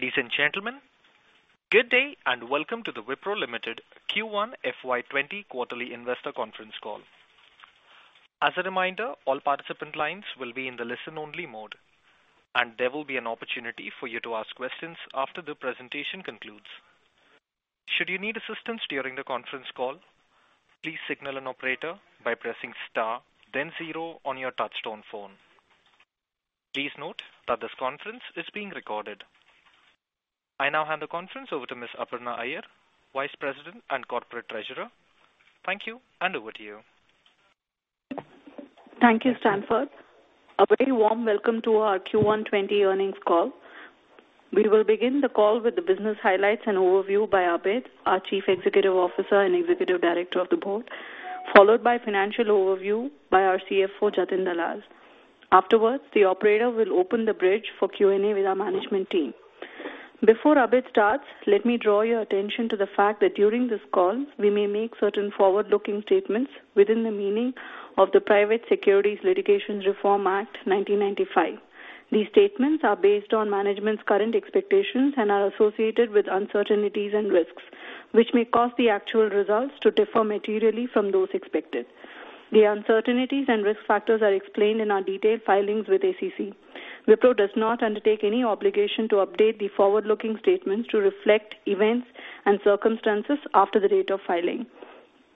Ladies and gentlemen, good day and welcome to the Wipro Limited Q1 FY20 Quarterly Investor Conference call. As a reminder, all participant lines will be in the listen-only mode, and there will be an opportunity for you to ask questions after the presentation concludes. Should you need assistance during the conference call, please signal an operator by pressing star, then zero on your touch-tone phone. Please note that this conference is being recorded. I now hand the conference over to Ms. Aparna Iyer, Vice President and Corporate Treasurer. Thank you, and over to you. Thank you, Stanford. A very warm welcome to our Q120 earnings call. We will begin the call with the business highlights and overview by Abid, our Chief Executive Officer and Executive Director of the Board, followed by a financial overview by our CFO, Jatin Dalal. Afterwards, the operator will open the bridge for Q&A with our management team. Before Abid starts, let me draw your attention to the fact that during this call, we may make certain forward-looking statements within the meaning of the Private Securities Litigation Reform Act, 1995. These statements are based on management's current expectations and are associated with uncertainties and risks, which may cause the actual results to differ materially from those expected. The uncertainties and risk factors are explained in our detailed filings with SEC. Wipro does not undertake any obligation to update the forward-looking statements to reflect events and circumstances after the date of filing.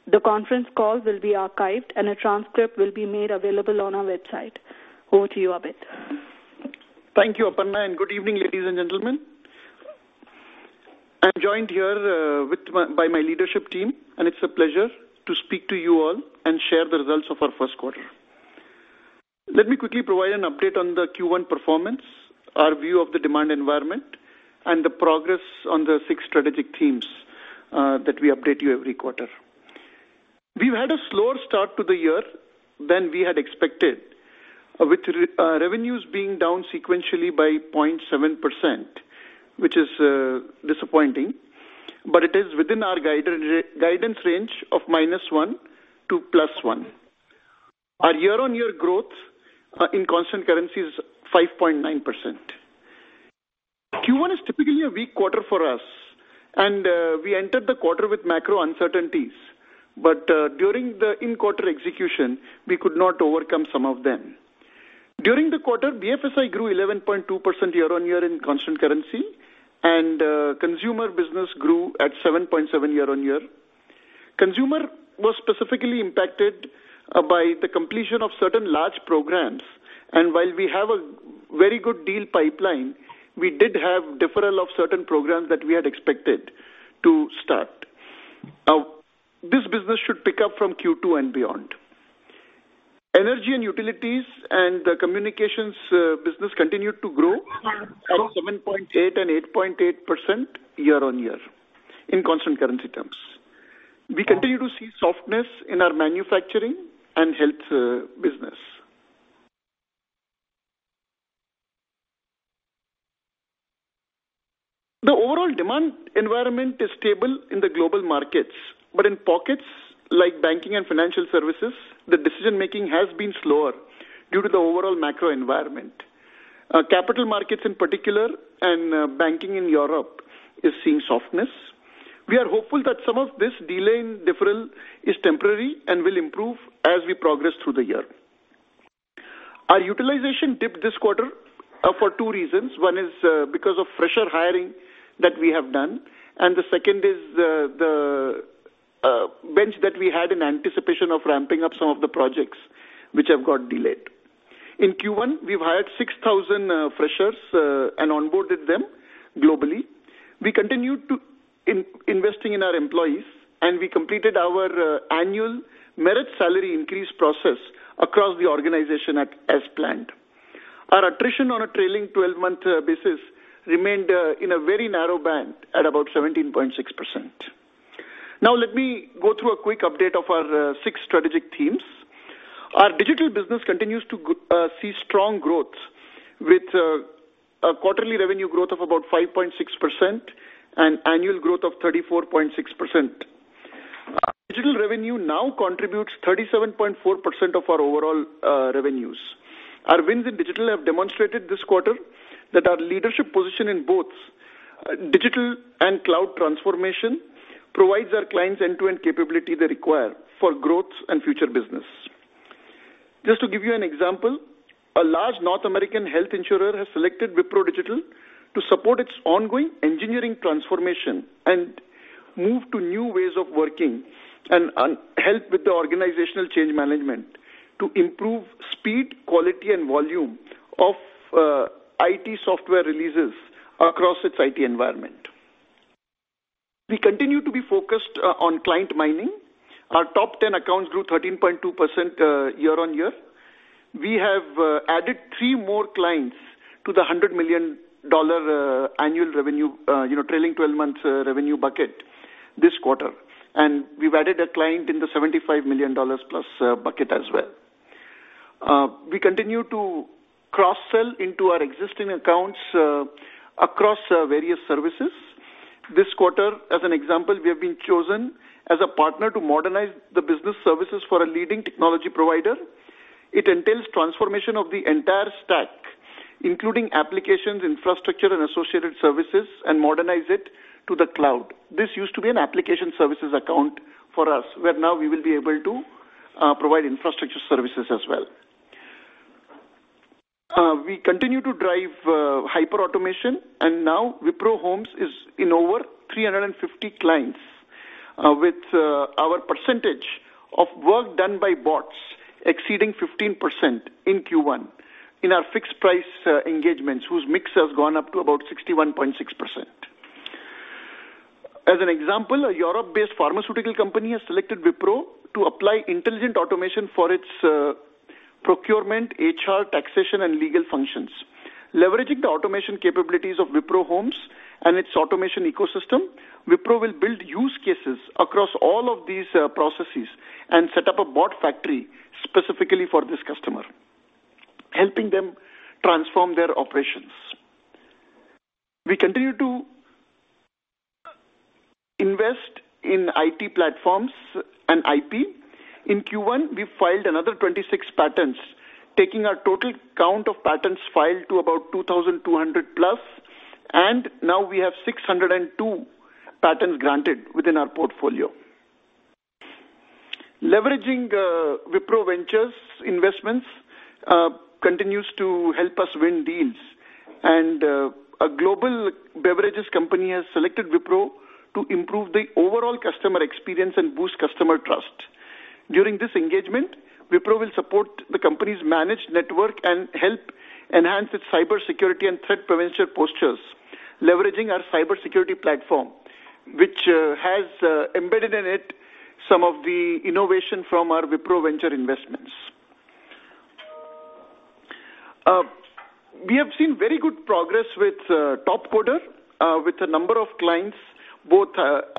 The conference call will be archived, and a transcript will be made available on our website. Over to you, Abid. Thank you, Aparna, and good evening, ladies and gentlemen. I'm joined here by my leadership team, and it's a pleasure to speak to you all and share the results of our first quarter. Let me quickly provide an update on the Q1 performance, our view of the demand environment, and the progress on the six strategic themes that we update you every quarter. We've had a slower start to the year than we had expected, with revenues being down sequentially by 0.7%, which is disappointing, but it is within our guidance range of -1% to +1%. Our year-on-year growth in constant currencies is 5.9%. Q1 is typically a weak quarter for us, and we entered the quarter with macro uncertainties, but during the in-quarter execution, we could not overcome some of them. During the quarter, BFSI grew 11.2% year-on-year in constant currency, and consumer business grew at 7.7% year-on-year. Consumer was specifically impacted by the completion of certain large programs, and while we have a very good deal pipeline, we did have a deferral of certain programs that we had expected to start. This business should pick up from Q2 and beyond. Energy and utilities and the communications business continued to grow at 7.8% and 8.8% year-on-year in constant currency terms. We continue to see softness in our manufacturing and health business. The overall demand environment is stable in the global markets, but in pockets like banking and financial services, the decision-making has been slower due to the overall macro environment. Capital markets in particular and banking in Europe are seeing softness. We are hopeful that some of this delay in deferral is temporary and will improve as we progress through the year. Our utilization dipped this quarter for two reasons. One is because of fresher hiring that we have done, and the second is the bench that we had in anticipation of ramping up some of the projects, which have got delayed. In Q1, we've hired 6,000 freshers and onboarded them globally. We continued investing in our employees, and we completed our annual merit salary increase process across the organization as planned. Our attrition on a trailing 12-month basis remained in a very narrow band at about 17.6%. Now, let me go through a quick update of our six strategic themes. Our digital business continues to see strong growth, with a quarterly revenue growth of about 5.6% and annual growth of 34.6%. Digital revenue now contributes 37.4% of our overall revenues. Our wins in digital have demonstrated this quarter that our leadership position in both digital and cloud transformation provides our clients end-to-end capability they require for growth and future business. Just to give you an example, a large North American health insurer has selected Wipro Digital to support its ongoing engineering transformation and move to new ways of working and help with the organizational change management to improve speed, quality, and volume of IT software releases across its IT environment. We continue to be focused on client mining. Our top 10 accounts grew 13.2% year-on-year. We have added three more clients to the $100 million annual revenue, trailing 12-month revenue bucket this quarter, and we've added a client in the $75 million-plus bucket as well. We continue to cross-sell into our existing accounts across various services. This quarter, as an example, we have been chosen as a partner to modernize the business services for a leading technology provider. It entails transformation of the entire stack, including applications, infrastructure, and associated services, and modernize it to the cloud. This used to be an application services account for us, where now we will be able to provide infrastructure services as well. We continue to drive hyperautomation, and now Wipro HOLMES is in over 350 clients, with our percentage of work done by bots exceeding 15% in Q1 in our fixed-price engagements, whose mix has gone up to about 61.6%. As an example, a Europe-based pharmaceutical company has selected Wipro to apply intelligent automation for its procurement, HR, taxation, and legal functions. Leveraging the automation capabilities of Wipro HOLMES and its automation ecosystem, Wipro will build use cases across all of these processes and set up a bot factory specifically for this customer, helping them transform their operations. We continue to invest in IT platforms and IP. In Q1, we filed another 26 patents, taking our total count of patents filed to about 2,200-plus, and now we have 602 patents granted within our portfolio. Leveraging Wipro Ventures' investments continues to help us win deals, and a global beverages company has selected Wipro to improve the overall customer experience and boost customer trust. During this engagement, Wipro will support the company's managed network and help enhance its cybersecurity and threat prevention postures, leveraging our cybersecurity platform, which has embedded in it some of the innovation from our Wipro Ventures investments. We have seen very good progress with Topcoder with a number of clients, both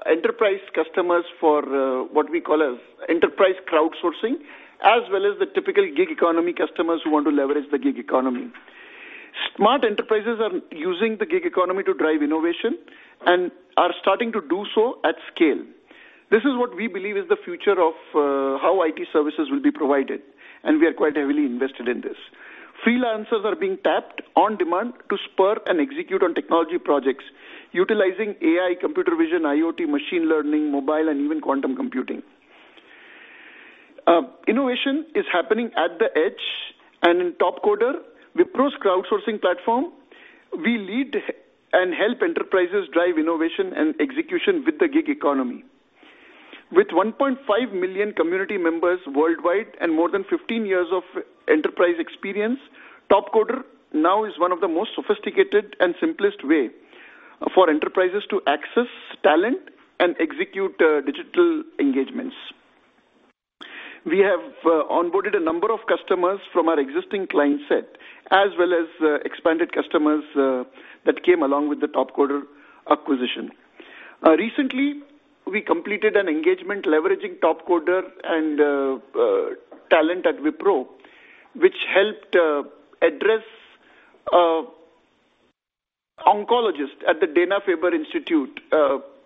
enterprise customers for what we call as enterprise crowdsourcing, as well as the typical gig economy customers who want to leverage the gig economy. Smart enterprises are using the gig economy to drive innovation and are starting to do so at scale. This is what we believe is the future of how IT services will be provided, and we are quite heavily invested in this. Freelancers are being tapped on demand to spur and execute on technology projects, utilizing AI, computer vision, IoT, machine learning, mobile, and even quantum computing. Innovation is happening at the edge, and in Topcoder, Wipro's crowdsourcing platform, we lead and help enterprises drive innovation and execution with the gig economy. With 1.5 million community members worldwide and more than 15 years of enterprise experience, Topcoder now is one of the most sophisticated and simplest ways for enterprises to access talent and execute digital engagements. We have onboarded a number of customers from our existing client set, as well as expanded customers that came along with the Topcoder acquisition. Recently, we completed an engagement leveraging Topcoder and talent at Wipro, which helped assist oncologists at the Dana-Farber Cancer Institute,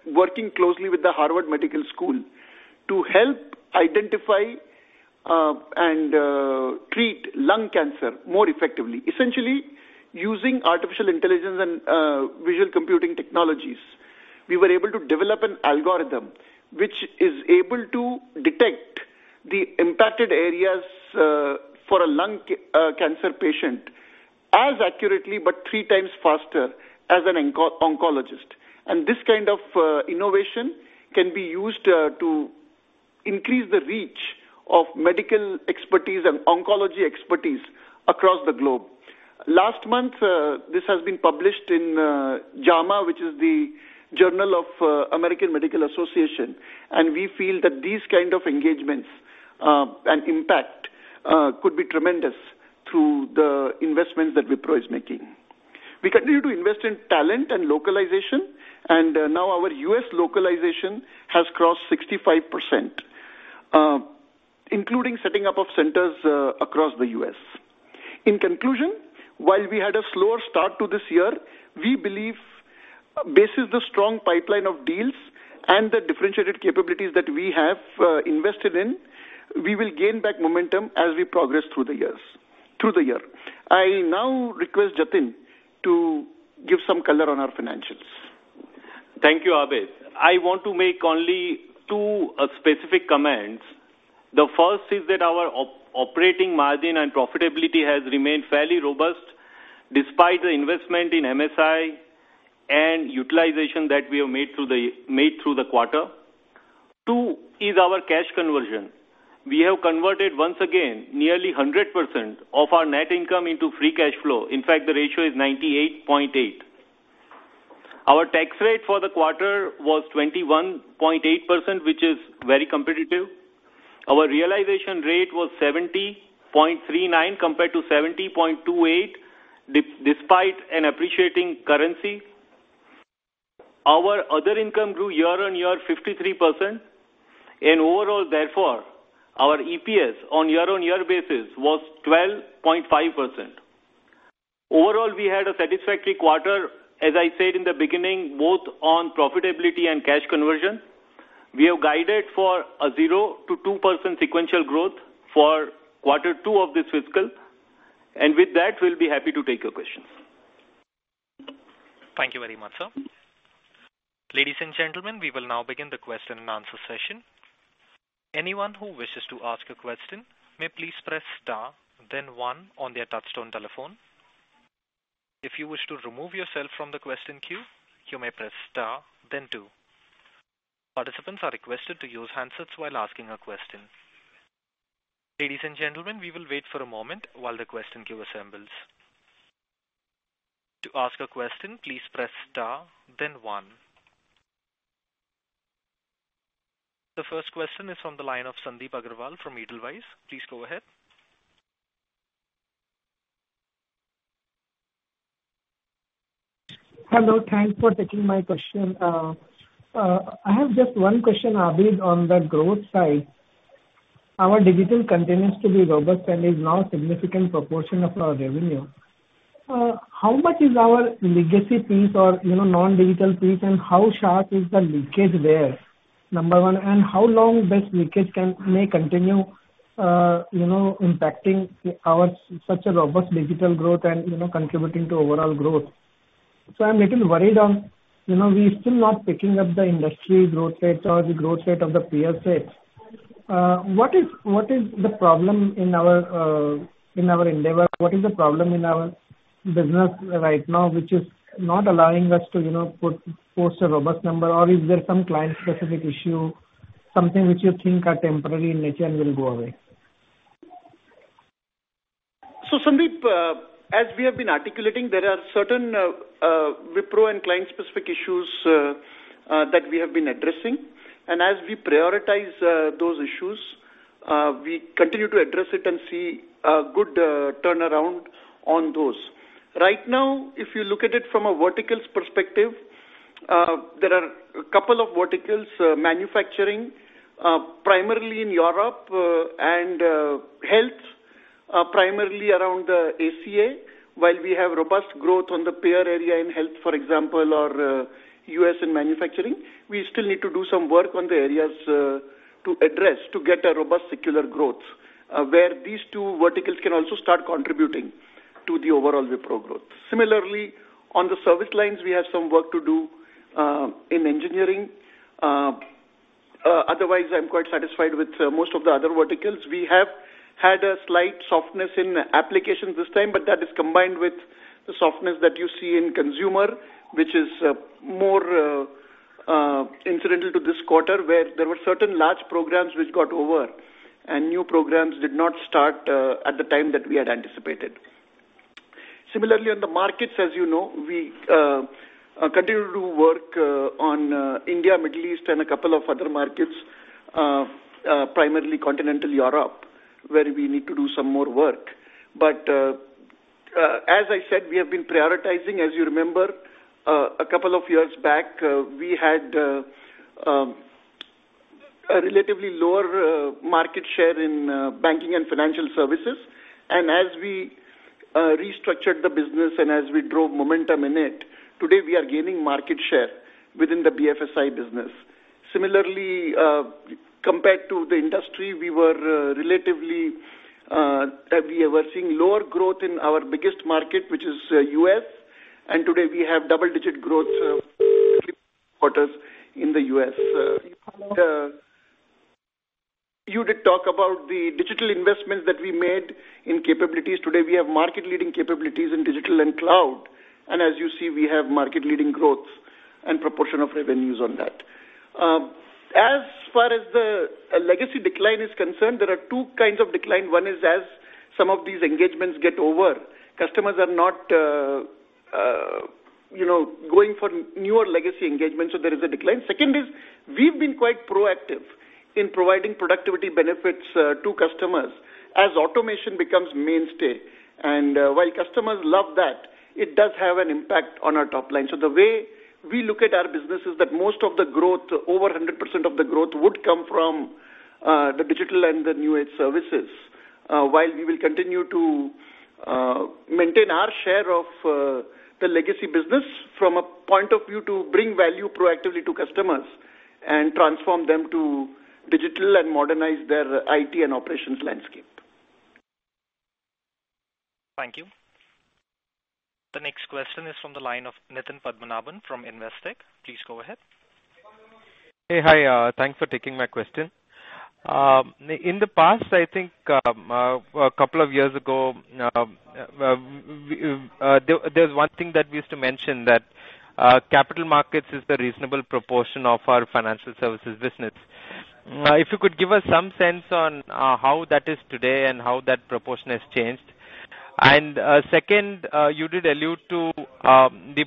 working closely with the Harvard Medical School to help identify and treat lung cancer more effectively. Essentially, using artificial intelligence and computer vision technologies, we were able to develop an algorithm which is able to detect the impacted areas for a lung cancer patient as accurately, but three times faster than an oncologist. And this kind of innovation can be used to increase the reach of medical expertise and oncology expertise across the globe. Last month, this has been published in JAMA, which is the Journal of American Medical Association, and we feel that these kinds of engagements and impact could be tremendous through the investments that Wipro is making. We continue to invest in talent and localization, and now our U.S. localization has crossed 65%, including setting up centers across the U.S. In conclusion, while we had a slower start to this year, we believe based on the strong pipeline of deals and the differentiated capabilities that we have invested in, we will gain back momentum as we progress through the year. I now request Jatin to give some color on our financials. Thank you, Abidali. I want to make only two specific comments. The first is that our operating margin and profitability has remained fairly robust despite the investment in MSI and utilization that we have made through the quarter. Two is our cash conversion. We have converted once again nearly 100% of our net income into free cash flow. In fact, the ratio is 98.8. Our tax rate for the quarter was 21.8%, which is very competitive. Our realization rate was 70.39 compared to 70.28 despite an appreciating currency. Our other income grew year-on-year 53%, and overall, therefore, our EPS on year-on-year basis was 12.5%. Overall, we had a satisfactory quarter, as I said in the beginning, both on profitability and cash conversion. We have guided for a 0-2% sequential growth for quarter two of this fiscal, and with that, we'll be happy to take your questions. Thank you very much, sir. Ladies and gentlemen, we will now begin the question-and-answer session. Anyone who wishes to ask a question may please press star, then one on their touch-tone telephone. If you wish to remove yourself from the question queue, you may press star, then two. Participants are requested to use handsets while asking a question. Ladies and gentlemen, we will wait for a moment while the question queue assembles. To ask a question, please press star, then one. The first question is from the line of Sandip Agarwal from Edelweiss. Please go ahead. Hello. Thanks for taking my question. I have just one question, Abidali, on the growth side. Our digital continues to be robust and is now a significant proportion of our revenue. How much is our legacy piece or non-digital piece, and how sharp is the leakage there, number one? And how long does leakage may continue impacting such a robust digital growth and contributing to overall growth? So I'm a little worried. We're still not picking up the industry growth rate or the growth rate of the PSA. What is the problem in our endeavor? What is the problem in our business right now, which is not allowing us to post a robust number? Or is there some client-specific issue, something which you think are temporary in nature and will go away? So, Sandip, as we have been articulating, there are certain Wipro and client-specific issues that we have been addressing. And as we prioritize those issues, we continue to address it and see a good turnaround on those. Right now, if you look at it from a verticals perspective, there are a couple of verticals: manufacturing, primarily in Europe, and health, primarily around the ACA, while we have robust growth on the payer area in health, for example, or U.S. in manufacturing. We still need to do some work on the areas to address to get a robust secular growth, where these two verticals can also start contributing to the overall Wipro growth. Similarly, on the service lines, we have some work to do in engineering. Otherwise, I'm quite satisfied with most of the other verticals. We have had a slight softness in applications this time, but that is combined with the softness that you see in consumer, which is more incidental to this quarter, where there were certain large programs which got over, and new programs did not start at the time that we had anticipated. Similarly, on the markets, as you know, we continue to work on India, Middle East, and a couple of other markets, primarily Continental Europe, where we need to do some more work, but as I said, we have been prioritizing. As you remember, a couple of years back, we had a relatively lower market share in banking and financial services, and as we restructured the business and as we drove momentum in it, today we are gaining market share within the BFSI business. Similarly, compared to the industry, we were relatively seeing lower growth in our biggest market, which is U.S., and today we have double-digit growth in the U.S. You did talk about the digital investments that we made in capabilities. Today, we have market-leading capabilities in digital and cloud. And as you see, we have market-leading growth and proportion of revenues on that. As far as the legacy decline is concerned, there are two kinds of decline. One is as some of these engagements get over, customers are not going for newer legacy engagements, so there is a decline. Second is we've been quite proactive in providing productivity benefits to customers as automation becomes mainstay. And while customers love that, it does have an impact on our top line. So the way we look at our business is that most of the growth, over 100% of the growth, would come from the digital and the new-age services, while we will continue to maintain our share of the legacy business from a point of view to bring value proactively to customers and transform them to digital and modernize their IT and operations landscape. Thank you. The next question is from the line of Nitin Padmanabhan from Investec. Please go ahead. Hey, hi. Thanks for taking my question. In the past, I think a couple of years ago, there's one thing that we used to mention that capital markets is the reasonable proportion of our financial services business. If you could give us some sense on how that is today and how that proportion has changed. And second, you did allude to the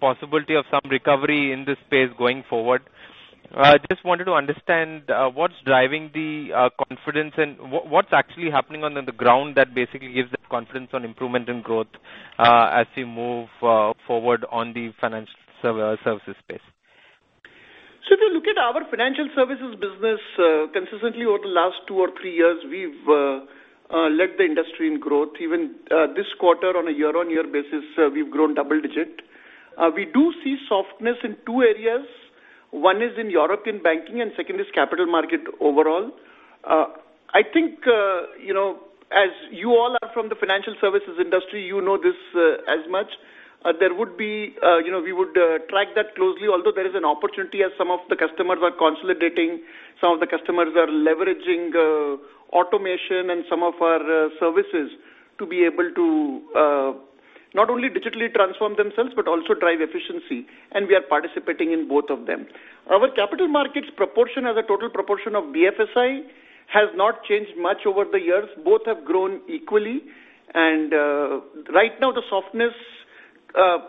possibility of some recovery in this space going forward. I just wanted to understand what's driving the confidence and what's actually happening on the ground that basically gives that confidence on improvement and growth as we move forward on the financial services space. So if you look at our financial services business, consistently over the last two or three years, we've led the industry in growth. Even this quarter, on a year-on-year basis, we've grown double-digit. We do see softness in two areas. One is in European banking, and second is capital market overall. I think as you all are from the financial services industry, you know this as much. We would track that closely. Although there is an opportunity as some of the customers are consolidating, some of the customers are leveraging automation and some of our services to be able to not only digitally transform themselves, but also drive efficiency. And we are participating in both of them. Our capital markets proportion as a total proportion of BFSI has not changed much over the years. Both have grown equally. Right now, the softness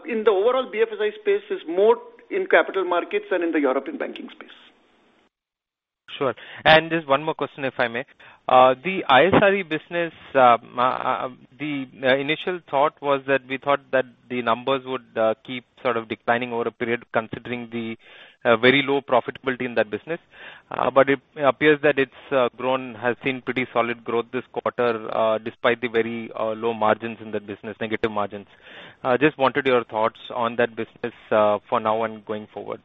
in the overall BFSI space is more in capital markets than in the European banking space. Sure. And just one more question, if I may. The ISRE business, the initial thought was that we thought that the numbers would keep sort of declining over a period considering the very low profitability in that business. But it appears that it's grown, has seen pretty solid growth this quarter despite the very low margins in the business, negative margins. Just wanted your thoughts on that business for now and going forward.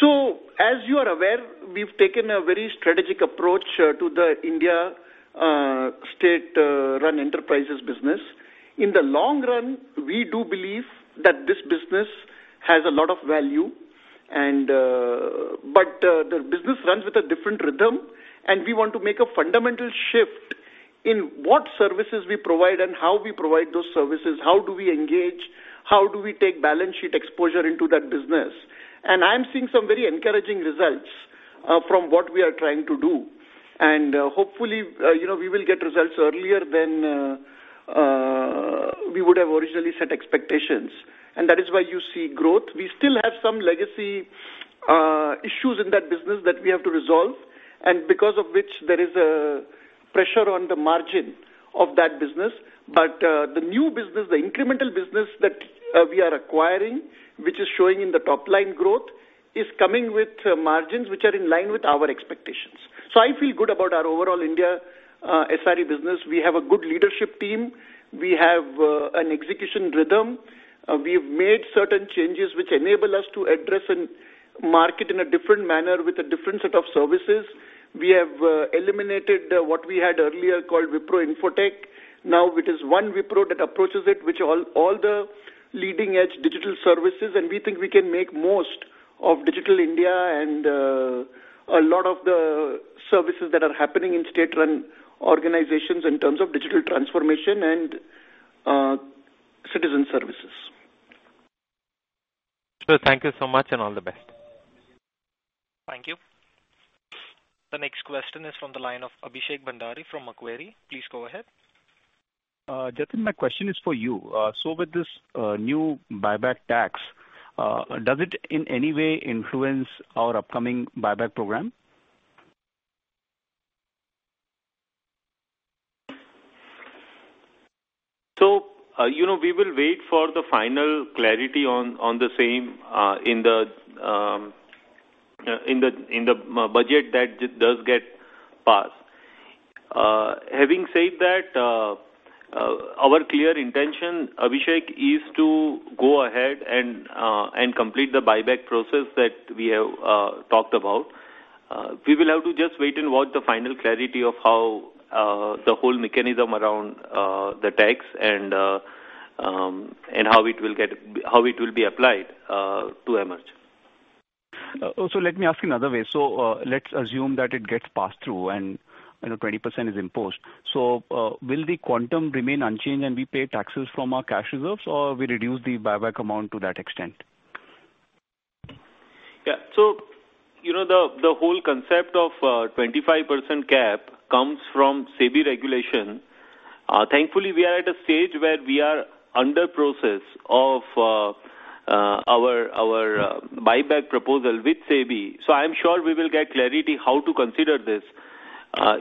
So as you are aware, we've taken a very strategic approach to the India State Run Enterprises business. In the long run, we do believe that this business has a lot of value. But the business runs with a different rhythm, and we want to make a fundamental shift in what services we provide and how we provide those services, how do we engage, how do we take balance sheet exposure into that business. And I'm seeing some very encouraging results from what we are trying to do. And hopefully, we will get results earlier than we would have originally set expectations. And that is why you see growth. We still have some legacy issues in that business that we have to resolve, and because of which there is a pressure on the margin of that business. But the new business, the incremental business that we are acquiring, which is showing in the top line growth, is coming with margins which are in line with our expectations. So I feel good about our overall India SRE business. We have a good leadership team. We have an execution rhythm. We've made certain changes which enable us to address and market in a different manner with a different set of services. We have eliminated what we had earlier called Wipro Infotech. Now it is one Wipro that approaches it, which all the leading-edge digital services. And we think we can make most of Digital India and a lot of the services that are happening in state-run organizations in terms of digital transformation and citizen services. Sure. Thank you so much and all the best. Thank you. The next question is from the line of Abhishek Bhandari from Macquarie. Please go ahead. Jatin, my question is for you. So with this new buyback tax, does it in any way influence our upcoming buyback program? So we will wait for the final clarity on the same in the budget that does get passed. Having said that, our clear intention, Abhishek, is to go ahead and complete the buyback process that we have talked about. We will have to just wait and watch the final clarity of how the whole mechanism around the tax and how it will be applied to emerge. Let me ask in another way. Let's assume that it gets passed through and 20% is imposed. Will the quantum remain unchanged and we pay taxes from our cash reserves, or will we reduce the buyback amount to that extent? Yeah. So the whole concept of 25% cap comes from SEBI regulation. Thankfully, we are at a stage where we are under process of our buyback proposal with SEBI. So I'm sure we will get clarity how to consider this.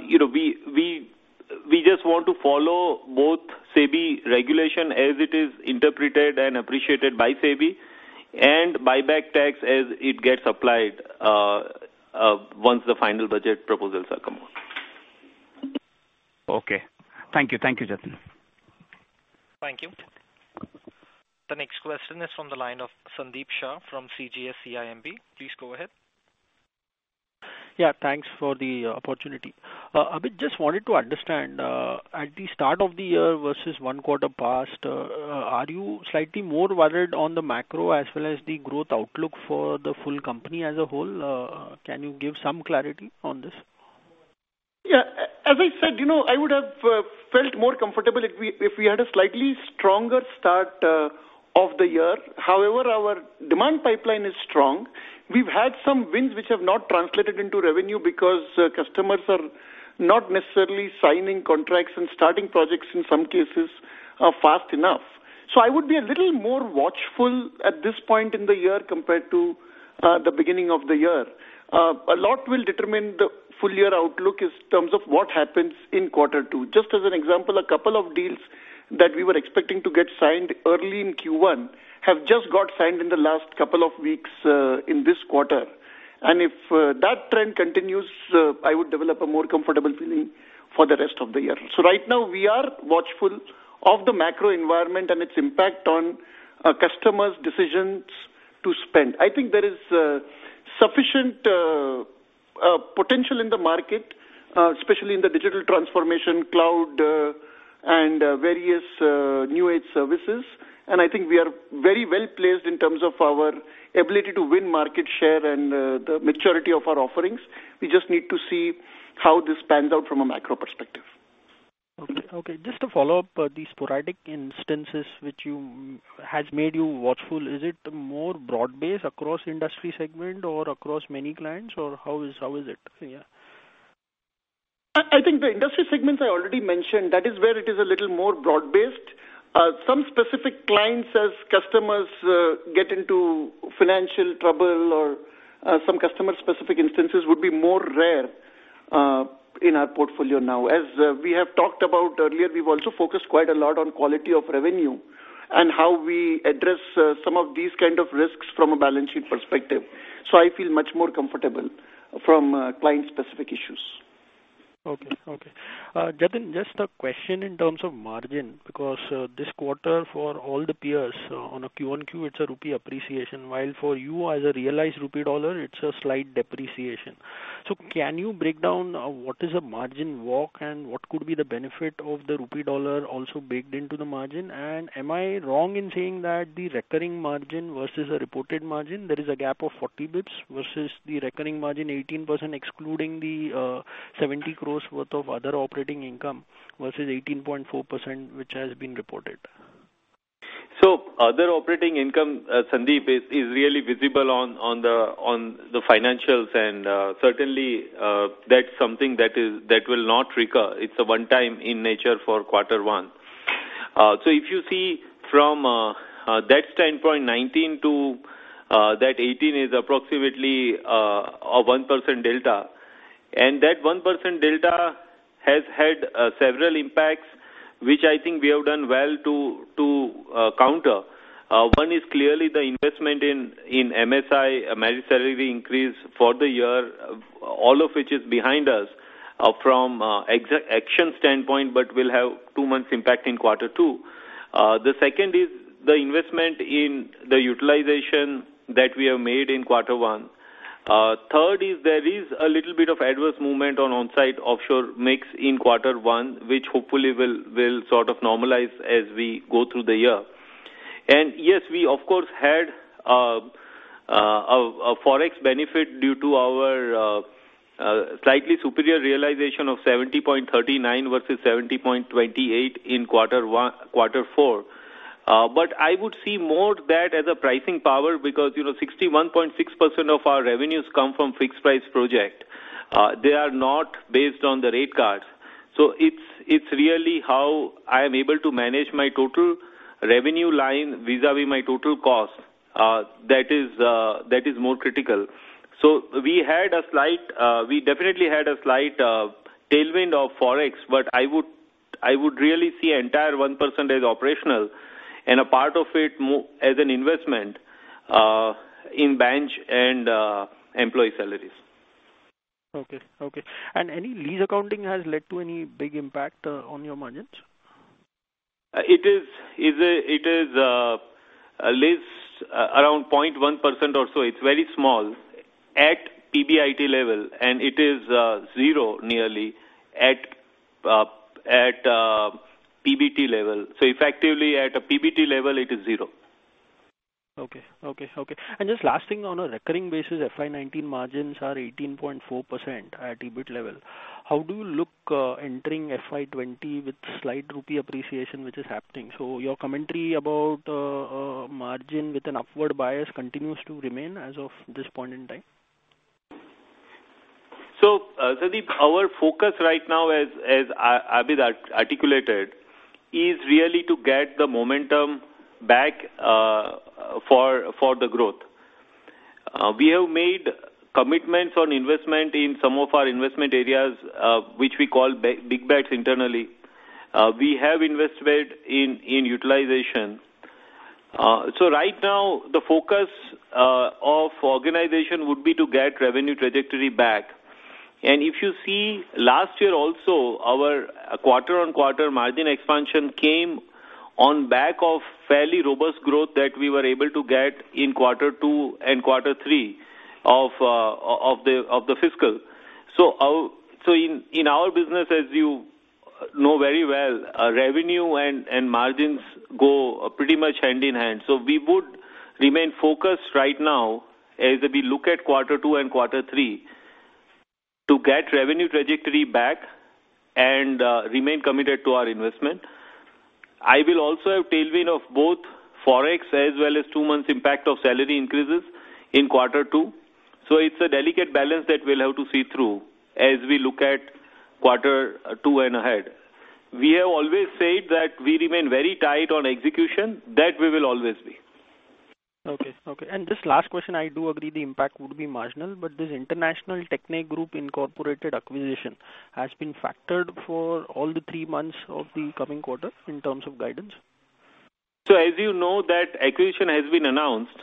We just want to follow both SEBI regulation as it is interpreted and appreciated by SEBI and buyback tax as it gets applied once the final budget proposals are come out. Okay. Thank you. Thank you, Jatin. Thank you too. The next question is from the line of Sandeep Shah from CGS-CIMB. Please go ahead. Yeah. Thanks for the opportunity. I just wanted to understand, at the start of the year versus one quarter past, are you slightly more worried on the macro as well as the growth outlook for the full company as a whole? Can you give some clarity on this? Yeah. As I said, I would have felt more comfortable if we had a slightly stronger start of the year. However, our demand pipeline is strong. We've had some wins which have not translated into revenue because customers are not necessarily signing contracts and starting projects in some cases fast enough. So I would be a little more watchful at this point in the year compared to the beginning of the year. A lot will determine the full year outlook in terms of what happens in quarter two. Just as an example, a couple of deals that we were expecting to get signed early in Q1 have just got signed in the last couple of weeks in this quarter. And if that trend continues, I would develop a more comfortable feeling for the rest of the year. Right now, we are watchful of the macro environment and its impact on customers' decisions to spend. I think there is sufficient potential in the market, especially in the digital transformation, cloud, and various new-age services. I think we are very well placed in terms of our ability to win market share and the maturity of our offerings. We just need to see how this pans out from a macro perspective. Okay. Just to follow up, these sporadic instances which has made you watchful, is it more broad-based across industry segment or across many clients, or how is it? Yeah. I think the industry segments I already mentioned, that is where it is a little more broad-based. Some specific clients, as customers get into financial trouble, or some customer-specific instances would be more rare in our portfolio now. As we have talked about earlier, we've also focused quite a lot on quality of revenue and how we address some of these kinds of risks from a balance sheet perspective. So I feel much more comfortable from client-specific issues. Okay. Jatin, just a question in terms of margin, because this quarter for all the peers on a Q1Q, it's a rupee appreciation, while for you as a realized rupee-dollar, it's a slight depreciation. So can you break down what is a margin walk and what could be the benefit of the rupee-dollar also baked into the margin? And am I wrong in saying that the recurring margin versus the reported margin, there is a gap of 40 basis points versus the recurring margin 18% excluding the 70 crores worth of other operating income versus 18.4% which has been reported? Other operating income, Sandeep, is really visible on the financials, and certainly that's something that will not recur. It's a one-time in nature for quarter one. If you see from that standpoint, 19% to that 18% is approximately a 1% delta. That 1% delta has had several impacts which I think we have done well to counter. One is clearly the investment in MSI, merit salary increase for the year, all of which is behind us from execution standpoint, but will have two months' impact in quarter two. The second is the investment in the utilization that we have made in quarter one. Third is there is a little bit of adverse movement on onsite offshore mix in quarter one, which hopefully will sort of normalize as we go through the year. Yes, we of course had a forex benefit due to our slightly superior realization of 70.39 versus 70.28 in quarter four. But I would see that more as a pricing power because 61.6% of our revenues come from fixed price project. They are not based on the rate cards. So it's really how I am able to manage my total revenue line vis-à-vis my total cost. That is more critical. So we definitely had a slight tailwind of forex, but I would really see an entire 1% as operational and a part of it as an investment in bench and employee salaries. And any lease accounting has led to any big impact on your margins? It is. It is lease around 0.1% or so. It's very small at PBIT level, and it is zero nearly at PBT level. So effectively at a PBT level, it is zero. Okay. And just last thing, on a recurring basis, FY19 margins are 18.4% at EBIT level. How do you look entering FY20 with slight rupee appreciation which is happening? So your commentary about margin with an upward bias continues to remain as of this point in time? So Sandeep, our focus right now, as Abid articulated, is really to get the momentum back for the growth. We have made commitments on investment in some of our investment areas which we call big bets internally. We have invested in utilization. So right now, the focus of organization would be to get revenue trajectory back. And if you see, last year also, our quarter-on-quarter margin expansion came on back of fairly robust growth that we were able to get in quarter two and quarter three of the fiscal. So in our business, as you know very well, revenue and margins go pretty much hand in hand. So we would remain focused right now as we look at quarter two and quarter three to get revenue trajectory back and remain committed to our investment. I will also have tailwind of both forex as well as two months' impact of salary increases in quarter two. So it's a delicate balance that we'll have to see through as we look at quarter two and ahead. We have always said that we remain very tight on execution, that we will always be. Okay. And just last question, I do agree the impact would be marginal, but this International TechneGroup Incorporated acquisition has been factored for all the three months of the coming quarter in terms of guidance? So as you know, that acquisition has been announced.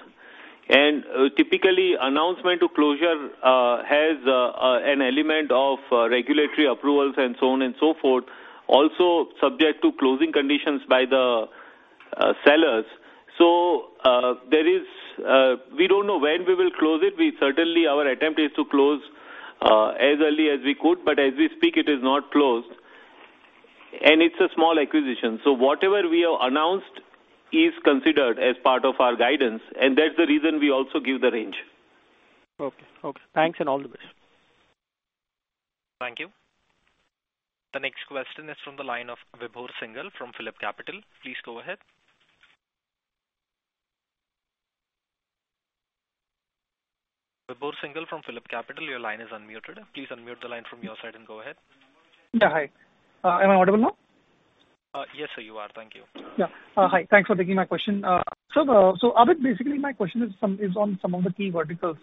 And typically, announcement to closure has an element of regulatory approvals and so on and so forth, also subject to closing conditions by the sellers. So we don't know when we will close it. Certainly, our attempt is to close as early as we could, but as we speak, it is not closed. And it's a small acquisition. So whatever we have announced is considered as part of our guidance, and that's the reason we also give the range. Okay. Okay. Thanks and all the best. Thank you. The next question is from the line of Vibhor Singhal from PhillipCapital. Please go ahead. Vibhor Singhal from PhillipCapital, your line is unmuted. Please unmute the line from your side and go ahead. Yeah. Hi. Am I audible now? Yes, sir, you are. Thank you. Yeah. Hi. Thanks for taking my question. So Abidali, basically, my question is on some of the key verticals.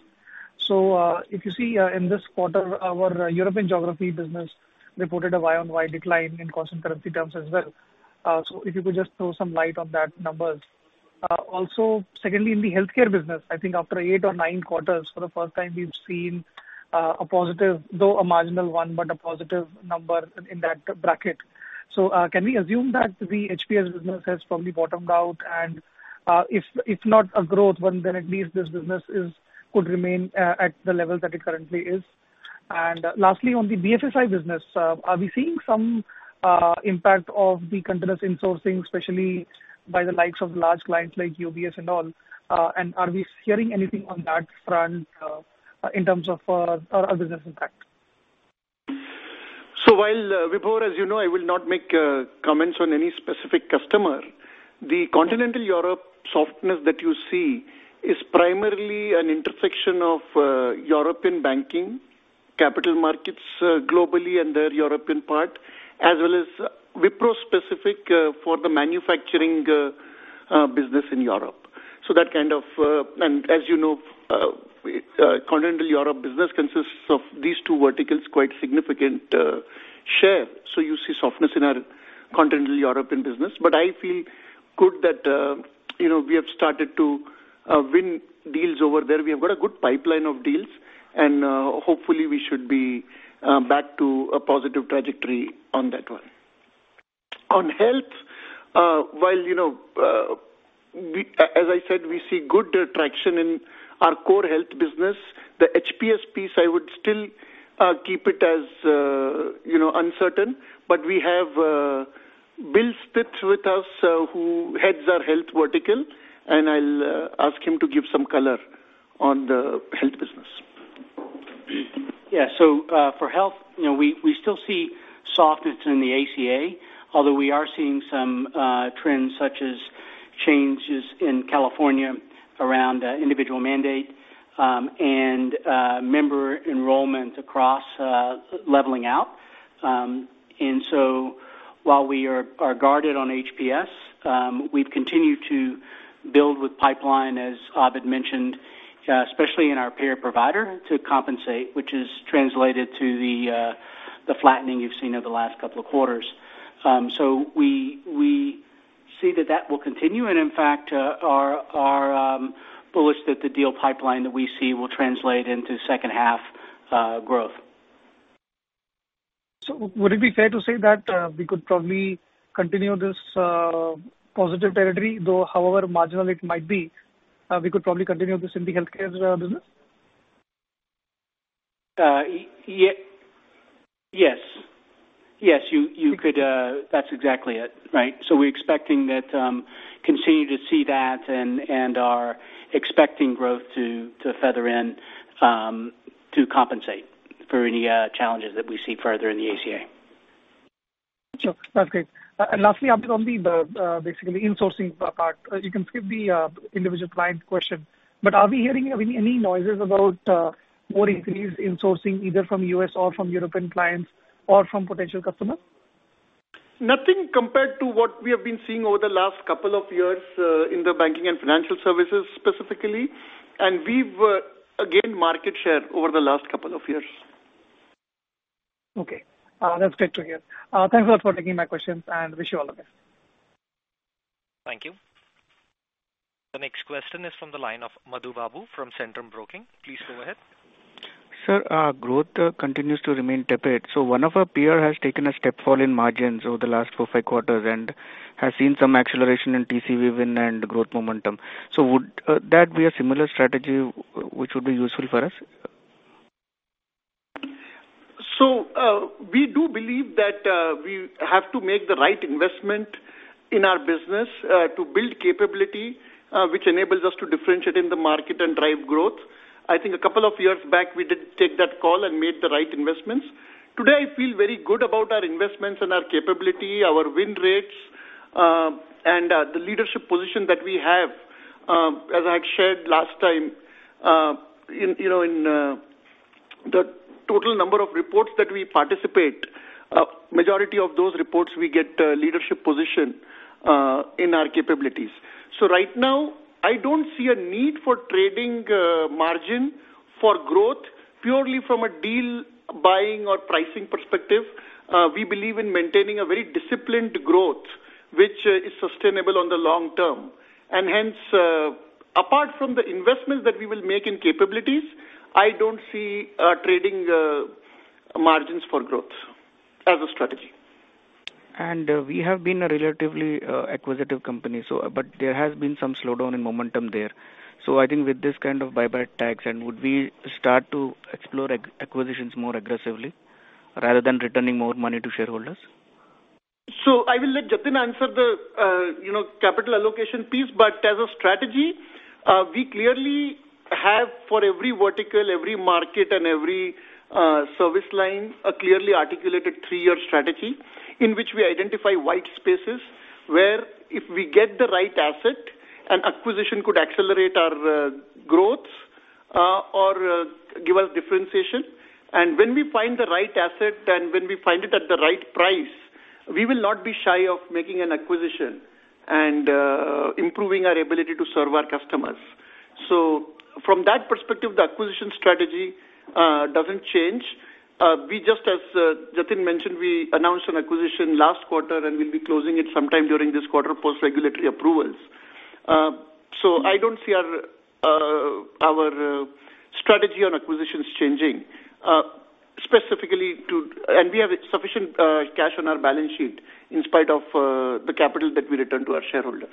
So if you see in this quarter, our European geography business reported a Y on Y decline in cost and currency terms as well. So if you could just throw some light on that numbers. Also, secondly, in the healthcare business, I think after eight or nine quarters, for the first time, we've seen a positive, though a marginal one, but a positive number in that bracket. So can we assume that the HPS business has probably bottomed out? And if not a growth, then at least this business could remain at the level that it currently is. And lastly, on the BFSI business, are we seeing some impact of the continuous insourcing, especially by the likes of large clients like UBS and all? Are we hearing anything on that front in terms of our business impact? So while Vibhor, as you know, I will not make comments on any specific customer, the continental Europe softness that you see is primarily an intersection of European banking, capital markets globally and their European part, as well as Wipro specific for the manufacturing business in Europe, so that kind of, and as you know, continental Europe business consists of these two verticals, quite significant share, so you see softness in our continental European business, but I feel good that we have started to win deals over there. We have got a good pipeline of deals, and hopefully, we should be back to a positive trajectory on that one. On health, while as I said, we see good traction in our core health business, the HPS piece, I would still keep it as uncertain, but we have Bill Stwegman with us who heads our health vertical, and I'll ask him to give some color on the health business. Yeah. So for health, we still see softness in the ACA, although we are seeing some trends such as changes in California around individual mandate and member enrollment across leveling out. And so while we are guarded on HPS, we've continued to build with pipeline, as Abhith mentioned, especially in our payer provider to compensate, which has translated to the flattening you've seen over the last couple of quarters. So we see that that will continue, and in fact, are bullish that the deal pipeline that we see will translate into second-half growth. Would it be fair to say that we could probably continue this positive territory, though however marginal it might be, we could probably continue this in the healthcare business? Yes. Yes. You could. That's exactly it. Right. So we're expecting that continue to see that and are expecting growth to feather in to compensate for any challenges that we see further in the ACA. Sure. That's great, and lastly, Abidali, on the basically insourcing part, you can skip the individual client question, but are we hearing any noises about more increased insourcing either from U.S. or from European clients or from potential customers? Nothing compared to what we have been seeing over the last couple of years in the banking and financial services specifically, and we've gained market share over the last couple of years. Okay. That's great to hear. Thanks a lot for taking my questions, and wish you all the best. Thank you. The next question is from the line of Madhu Babu from Centrum Broking. Please go ahead. Sir, growth continues to remain tepid. So one of our peers has taken a step fall in margins over the last four, five quarters and has seen some acceleration in TCV win and growth momentum. So would that be a similar strategy which would be useful for us? So we do believe that we have to make the right investment in our business to build capability which enables us to differentiate in the market and drive growth. I think a couple of years back, we did take that call and made the right investments. Today, I feel very good about our investments and our capability, our win rates, and the leadership position that we have. As I had shared last time, in the total number of reports that we participate, majority of those reports we get leadership position in our capabilities. So right now, I don't see a need for trading margin for growth purely from a deal buying or pricing perspective. We believe in maintaining a very disciplined growth which is sustainable on the long term. Hence, apart from the investments that we will make in capabilities, I don't see trading margins for growth as a strategy. We have been a relatively acquisitive company, but there has been some slowdown in momentum there. I think with this kind of buyback tax, and would we start to explore acquisitions more aggressively rather than returning more money to shareholders? I will let Jatin answer the capital allocation piece, but as a strategy, we clearly have for every vertical, every market, and every service line, a clearly articulated three-year strategy in which we identify white spaces where if we get the right asset, an acquisition could accelerate our growth or give us differentiation. When we find the right asset and when we find it at the right price, we will not be shy of making an acquisition and improving our ability to serve our customers. From that perspective, the acquisition strategy doesn't change. We just, as Jatin mentioned, we announced an acquisition last quarter, and we'll be closing it sometime during this quarter post-regulatory approvals. I don't see our strategy on acquisitions changing specifically to, and we have sufficient cash on our balance sheet in spite of the capital that we return to our shareholders.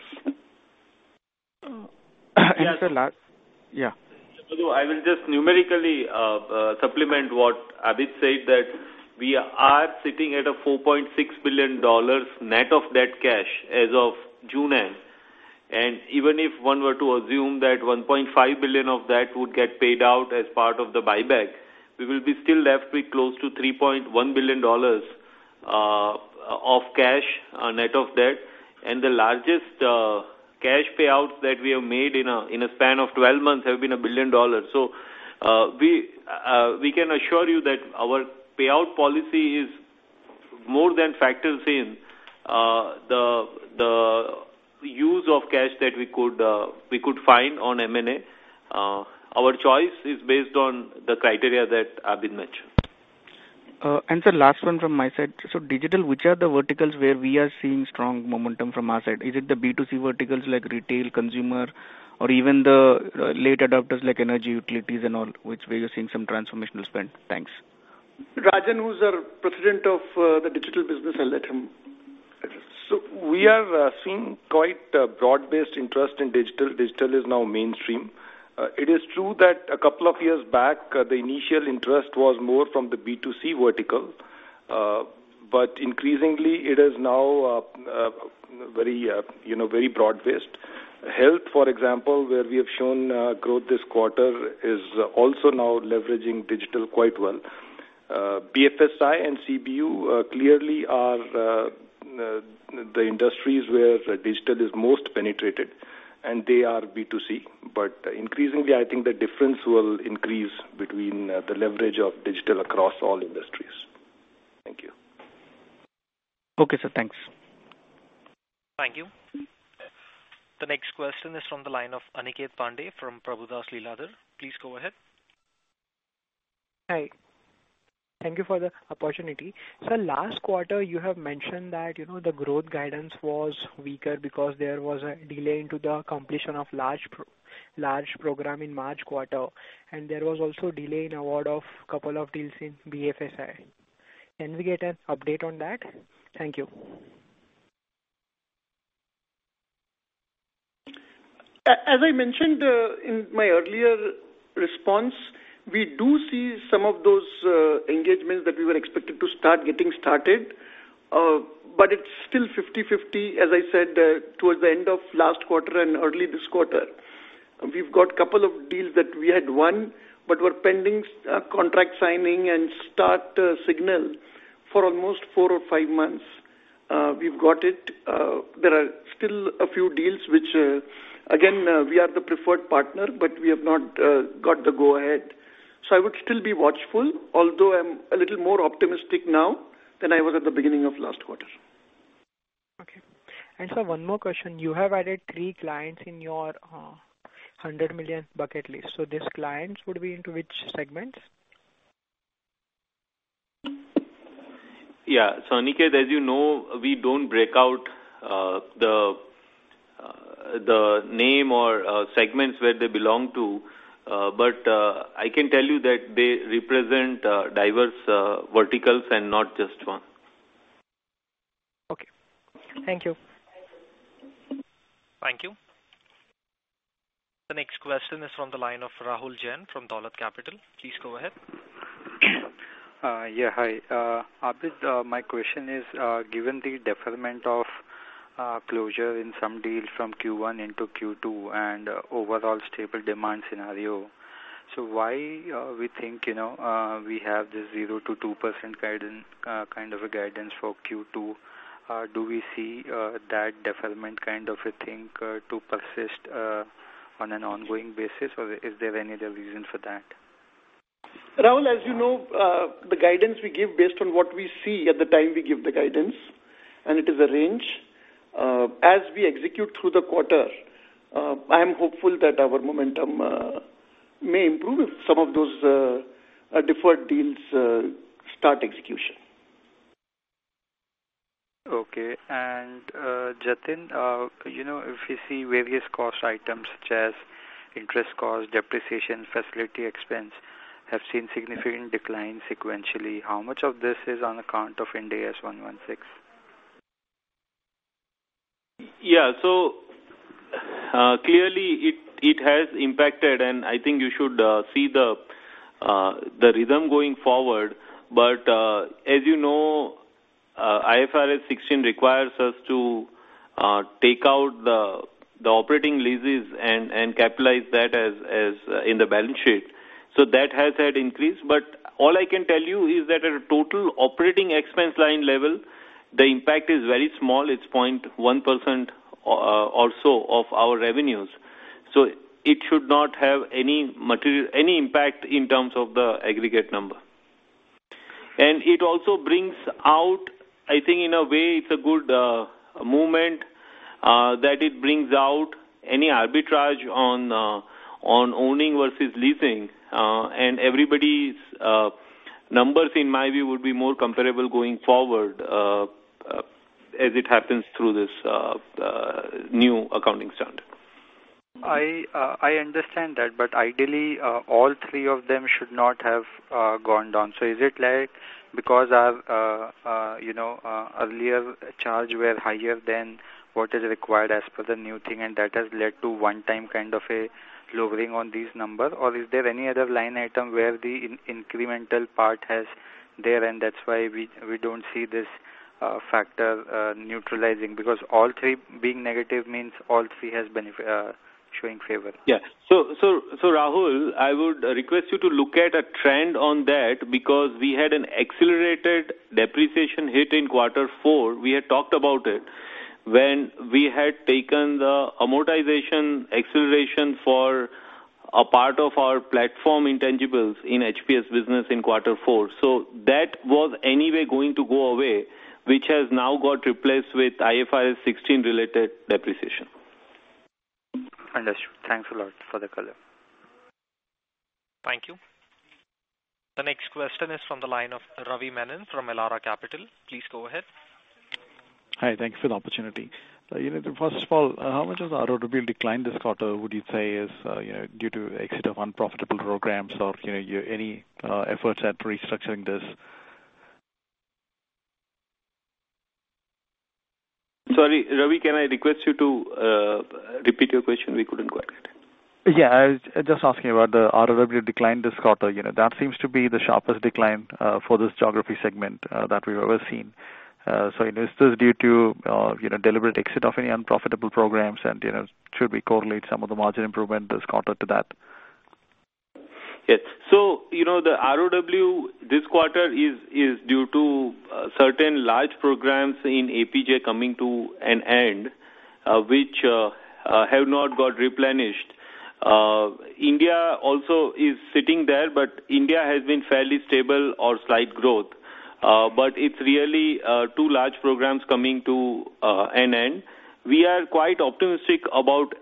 Sir, last. Yeah. Although I will just numerically supplement what Abhith said, that we are sitting at a $4.6 billion net of that cash as of June end. And even if one were to assume that $1.5 billion of that would get paid out as part of the buyback, we will be still left with close to $3.1 billion of cash net of that. And the largest cash payouts that we have made in a span of 12 months have been $1 billion. So we can assure you that our payout policy is more than factors in the use of cash that we could find on M&A. Our choice is based on the criteria that Abid mentioned. And sir, last one from my side. So digital, which are the verticals where we are seeing strong momentum from our side? Is it the B2C verticals like retail, consumer, or even the late adopters like energy, utilities, and all, which we are seeing some transformational spend? Thanks. Rajan, who's our President of the digital business, I'll let him. So we are seeing quite a broad-based interest in digital. Digital is now mainstream. It is true that a couple of years back, the initial interest was more from the B2C vertical, but increasingly, it is now very broad-based. Health, for example, where we have shown growth this quarter, is also now leveraging digital quite well. BFSI and CBU clearly are the industries where digital is most penetrated, and they are B2C. But increasingly, I think the difference will increase between the leverage of digital across all industries. Thank you. Okay, sir. Thanks. Thank you. The next question is from the line of Aniket Pande from Prabhudas Lilladher. Please go ahead. Hi. Thank you for the opportunity. Sir, last quarter, you have mentioned that the growth guidance was weaker because there was a delay in the completion of a large program in March quarter, and there was also a delay in award of a couple of deals in BFSI. Can we get an update on that? Thank you. As I mentioned in my earlier response, we do see some of those engagements that we were expected to start getting started, but it's still 50/50, as I said, towards the end of last quarter and early this quarter. We've got a couple of deals that we had won but were pending contract signing and start signal for almost four or five months. We've got it. There are still a few deals which, again, we are the preferred partner, but we have not got the go-ahead. So I would still be watchful, although I'm a little more optimistic now than I was at the beginning of last quarter. Okay. And sir, one more question. You have added three clients in your 100 million bucket list. So these clients would be into which segments? Yeah. So Aniket, as you know, we don't break out the name or segments where they belong to, but I can tell you that they represent diverse verticals and not just one. Okay. Thank you. Thank you. The next question is from the line of Rahul Jain from Dolat Capital. Please go ahead. Yeah. Hi. Abid, my question is, given the deferment of closure in some deals from Q1 into Q2 and overall stable demand scenario, so why we think we have this 0%-2% kind of a guidance for Q2? Do we see that deferment kind of a thing to persist on an ongoing basis, or is there any other reason for that? Rahul, as you know, the guidance we give based on what we see at the time we give the guidance, and it is a range. As we execute through the quarter, I am hopeful that our momentum may improve if some of those deferred deals start execution. Okay. And Jatin, if you see various cost items such as interest cost, depreciation, facility expense have seen significant decline sequentially, how much of this is on account of Ind AS 116? Yeah. So clearly, it has impacted, and I think you should see the rhythm going forward. But as you know, IFRS 16 requires us to take out the operating leases and capitalize that in the balance sheet. So that has had increased. But all I can tell you is that at a total operating expense line level, the impact is very small. It's 0.1% or so of our revenues. So it should not have any impact in terms of the aggregate number. And it also brings out, I think in a way, it's a good movement that it brings out any arbitrage on owning versus leasing. And everybody's numbers, in my view, would be more comparable going forward as it happens through this new accounting standard. I understand that, but ideally, all three of them should not have gone down. So is it like because our earlier charges were higher than what is required as per the new thing, and that has led to one-time kind of a lowering on these numbers, or is there any other line item where the incremental part is there, and that's why we don't see this factor neutralizing? Because all three being negative means all three has been showing favor. Yeah. Rahul, I would request you to look at a trend on that because we had an accelerated depreciation hit in quarter four. We had talked about it when we had taken the amortization acceleration for a part of our platform intangibles in HPS business in quarter four. That was anyway going to go away, which has now got replaced with IFRS 16-related depreciation. Understood. Thanks a lot for the color. Thank you. The next question is from the line of Ravi Menon from Elara Capital. Please go ahead. Hi. Thank you for the opportunity. First of all, how much of the ROW will be declined this quarter would you say is due to exit of unprofitable programs or any efforts at restructuring this? Sorry, Ravi, can I request you to repeat your question? We couldn't quite get it. Yeah. I was just asking about the ROW decline this quarter. That seems to be the sharpest decline for this geography segment that we've ever seen. So is this due to deliberate exit of any unprofitable programs, and should we correlate some of the margin improvement this quarter to that? Yes. So the ROW this quarter is due to certain large programs in APJ coming to an end which have not got replenished. India also is sitting there, but India has been fairly stable or slight growth. But it's really two large programs coming to an end. We are quite optimistic about APJ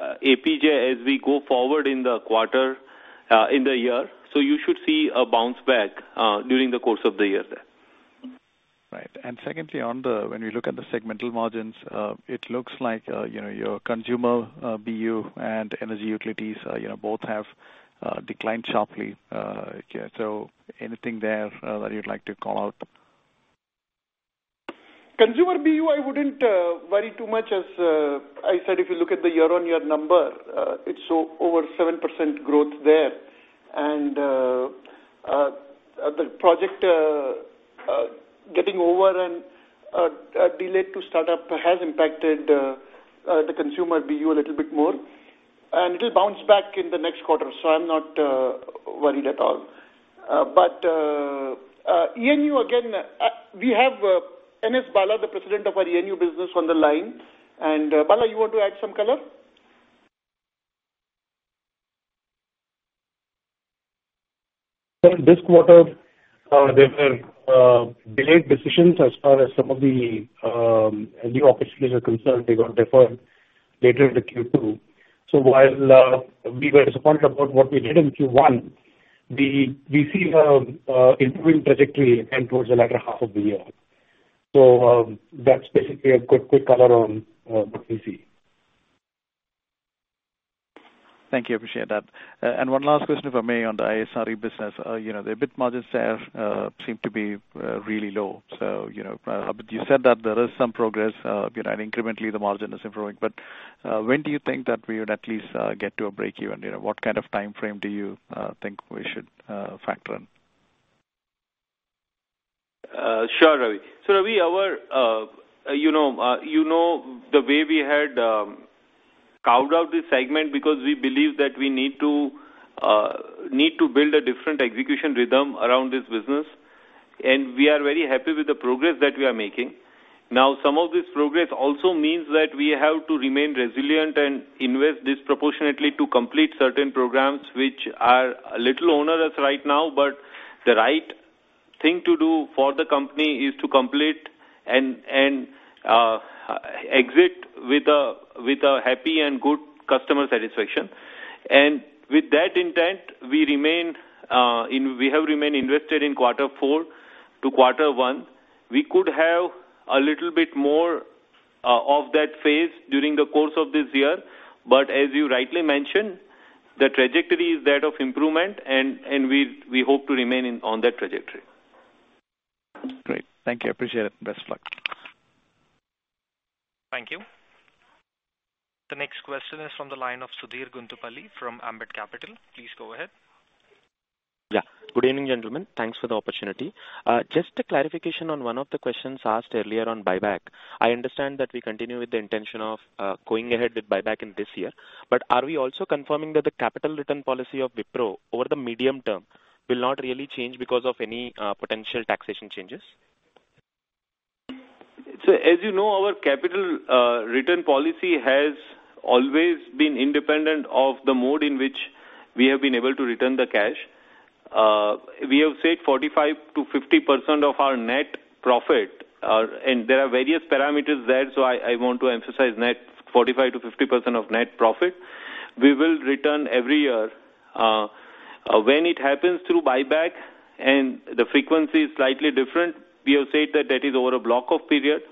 as we go forward in the quarter in the year. So you should see a bounce back during the course of the year there. Right. And secondly, when we look at the segmental margins, it looks like your consumer BU and energy utilities both have declined sharply. So anything there that you'd like to call out? Consumer BU, I wouldn't worry too much as I said, if you look at the year-on-year number, it's over 7% growth there. And the project getting over and delayed to start up has impacted the consumer BU a little bit more. And it'll bounce back in the next quarter, so I'm not worried at all. But ENU, again, we have N.S. Bala, the President of our ENU business, on the line. And Bala, you want to add some color? This quarter, there were delayed decisions as far as some of the new opportunities are concerned. They got deferred later in the Q2. So while we were disappointed about what we did in Q1, we see an improving trajectory again towards the latter half of the year. So that's basically a quick color on what we see. Thank you. I appreciate that. One last question, if I may, on the ISRE business. The EBIT margins there seem to be really low. You said that there is some progress, and incrementally, the margin is improving. When do you think that we would at least get to a breakeven? What kind of time frame do you think we should factor in? Sure, Ravi. Ravi, you know the way we had carved out this segment because we believe that we need to build a different execution rhythm around this business, and we are very happy with the progress that we are making. Now, some of this progress also means that we have to remain resilient and invest disproportionately to complete certain programs which are a little onerous right now, but the right thing to do for the company is to complete and exit with a happy and good customer satisfaction, and with that intent, we have remained invested in quarter four to quarter one. We could have a little bit more of that phase during the course of this year, but as you rightly mentioned, the trajectory is that of improvement, and we hope to remain on that trajectory. Great. Thank you. I appreciate it. Best of luck. Thank you. The next question is from the line of Sudheer Guntupalli from Ambit Capital. Please go ahead. Yeah. Good evening, gentlemen. Thanks for the opportunity. Just a clarification on one of the questions asked earlier on buyback. I understand that we continue with the intention of going ahead with buyback in this year. But are we also confirming that the capital return policy of Wipro over the medium term will not really change because of any potential taxation changes? So as you know, our capital return policy has always been independent of the mode in which we have been able to return the cash. We have said 45%-50% of our net profit, and there are various parameters there. So I want to emphasize net 45%-50% of net profit. We will return every year. When it happens through buyback and the frequency is slightly different, we have said that that is over a block of period.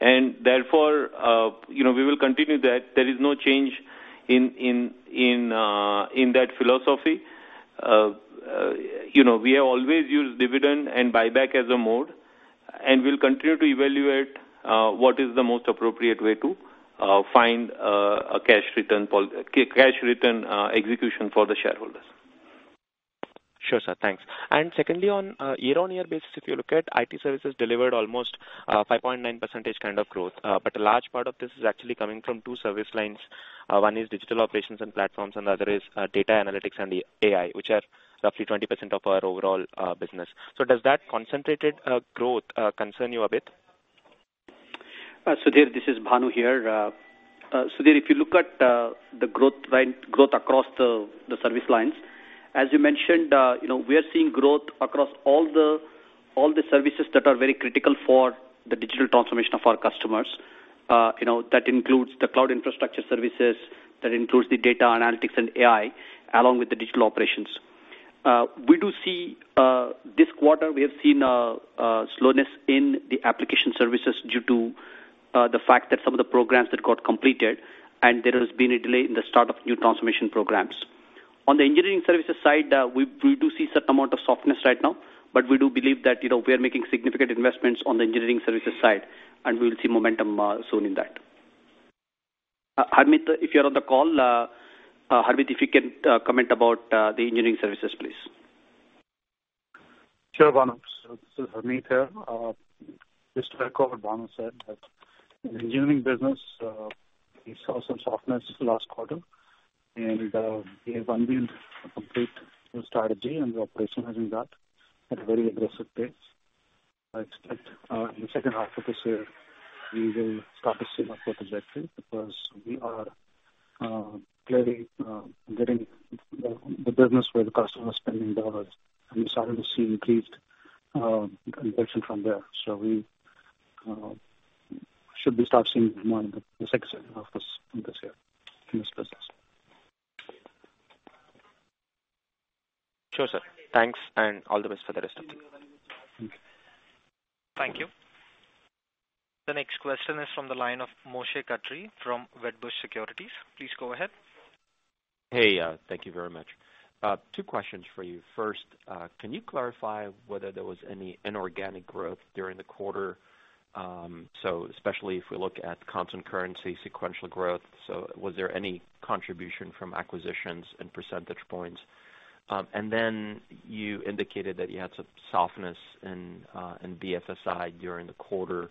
And therefore, we will continue that. There is no change in that philosophy. We have always used dividend and buyback as a mode, and we'll continue to evaluate what is the most appropriate way to find a cash return execution for the shareholders. Sure, sir. Thanks. And secondly, on year-on-year basis, if you look at IT services delivered almost 5.9% kind of growth. But a large part of this is actually coming from two service lines. One is digital operations and platforms, and the other is data analytics and AI, which are roughly 20% of our overall business. So does that concentrated growth concern you a bit? Sudheer, this is Bhanu here. Sudheer, if you look at the growth across the service lines, as you mentioned, we are seeing growth across all the services that are very critical for the digital transformation of our customers. That includes the cloud infrastructure services. That includes the data analytics and AI along with the digital operations. We do see this quarter, we have seen a slowness in the application services due to the fact that some of the programs that got completed, and there has been a delay in the start of new transformation programs. On the engineering services side, we do see a certain amount of softness right now, but we do believe that we are making significant investments on the engineering services side, and we will see momentum soon in that. Harmeet, if you're on the call, Harmeet, if you can comment about the engineering services, please. Sure, Bhanu, so this is Harmeet here. Just to echo what Bhanu said, the engineering business saw some softness last quarter, and we have unveiled a complete new strategy and we're operationalizing that at a very aggressive pace. I expect in the second half of this year, we will start to see that growth trajectory because we are clearly getting the business where the customer is spending dollars, and we're starting to see increased conversion from there, so we should start seeing more in the second half of this year in this business. Sure, sir. Thanks, and all the best for the rest of the year. Thank you. The next question is from the line of Moshe Katri from Wedbush Securities. Please go ahead. Hey, Abid. Thank you very much. Two questions for you. First, can you clarify whether there was any inorganic growth during the quarter? So especially if we look at constant currency sequential growth, so was there any contribution from acquisitions and percentage points? And then you indicated that you had some softness in BFSI during the quarter.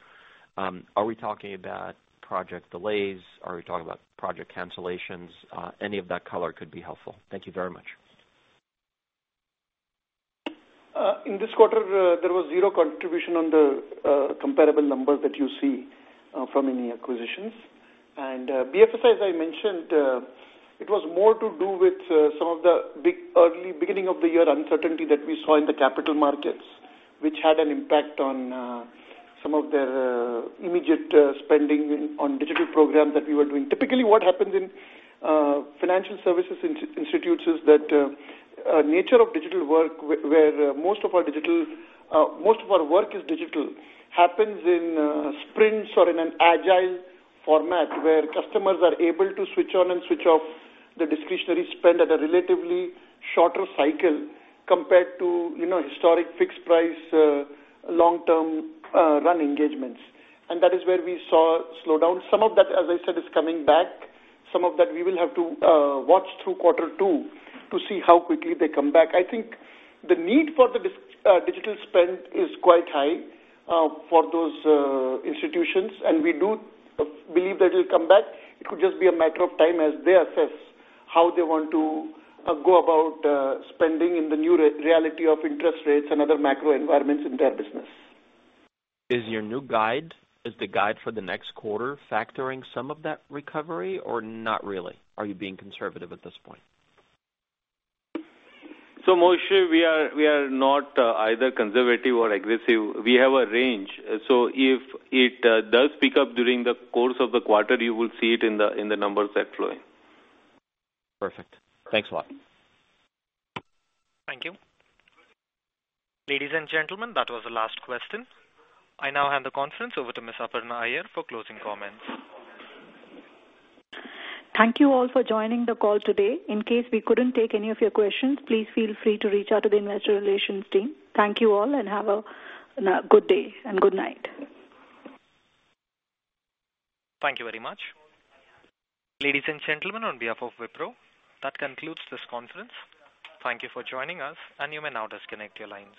Are we talking about project delays? Are we talking about project cancellations? Any of that color could be helpful. Thank you very much. In this quarter, there was zero contribution on the comparable numbers that you see from any acquisitions. BFSI, as I mentioned, it was more to do with some of the big early beginning of the year uncertainty that we saw in the capital markets, which had an impact on some of their immediate spending on digital programs that we were doing. Typically, what happens in financial services institutions is that nature of digital work, where most of our work is digital, happens in sprints or in an agile format where customers are able to switch on and switch off the discretionary spend at a relatively shorter cycle compared to historic fixed-price long-term run engagements. That is where we saw slowdown. Some of that, as I said, is coming back. Some of that we will have to watch through quarter two to see how quickly they come back. I think the need for the digital spend is quite high for those institutions, and we do believe that it'll come back. It could just be a matter of time as they assess how they want to go about spending in the new reality of interest rates and other macro environments in their business. Is your new guide the guide for the next quarter factoring some of that recovery or not really? Are you being conservative at this point? Moshe, we are not either conservative or aggressive. We have a range. So if it does pick up during the course of the quarter, you will see it in the numbers that flow in. Perfect. Thanks a lot. Thank you. Ladies and gentlemen, that was the last question. I now hand the conference over to Ms. Aparna Iyer for closing comments. Thank you all for joining the call today. In case we couldn't take any of your questions, please feel free to reach out to the investor relations team. Thank you all, and have a good day and good night. Thank you very much. Ladies and gentlemen, on behalf of Wipro, that concludes this conference. Thank you for joining us, and you may now disconnect your lines.